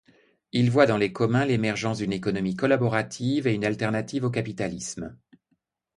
Il voit dans les communs l'émergence d'une économie collaborative et une alternative au capitalisme.